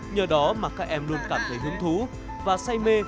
nhờ đó mà các em luôn cảm thấy hứng thú và say mê